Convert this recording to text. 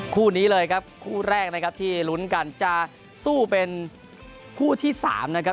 คู่นี้เลยครับคู่แรกนะครับที่ลุ้นกันจะสู้เป็นคู่ที่๓นะครับ